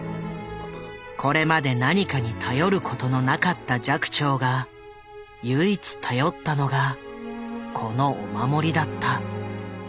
これまで何かに頼ることのなかった寂聴が唯一頼ったのがこのお守りだった。